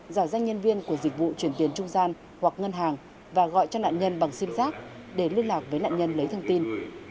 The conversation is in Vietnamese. giả danh nhân viên của dịch vụ chuyển tiền trung gian hoặc ngân hàng và gọi cho nạn nhân bằng sim giác để liên lạc với nạn nhân lấy thông tin